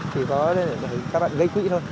chỉ có để các bạn gây quỹ thôi